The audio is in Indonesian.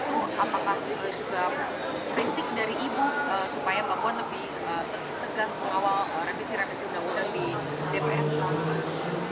itu apakah juga kritik dari ibu supaya mbak puan lebih tegas mengawal revisi revisi undang undang di dpr